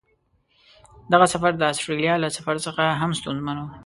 دغه سفر د استرالیا له سفر څخه هم ستونزمن و.